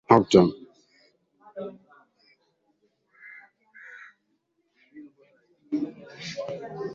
Vikosi vya usalama vilimpiga risasi na kumuuwa muandamanaji mmoja huko Omdurman na mwingine jijini Khartoum, madaktari wanaounga mkono demokrasia walisema